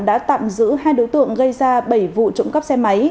đã tạm giữ hai đối tượng gây ra bảy vụ trộm cắp xe máy